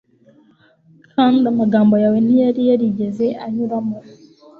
kandi amagambo yawe ntiyari yarigeze anyuramo